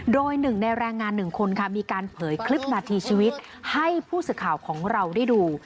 โดย๑แรงงาน๑คนมีการเผยคลิปนาธิชีวิตให้ผู้สึกข่าวของเราได้ดู